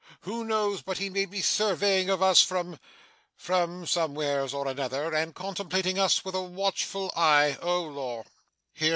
Who knows but he may be surveying of us from from somewheres or another, and contemplating us with a watchful eye! Oh Lor!